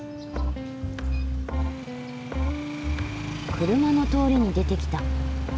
車の通りに出てきた。